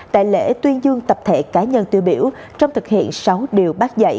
tại lễ tuyên dương tập thể cá nhân tiêu biểu trong thực hiện sáu điều bác dạy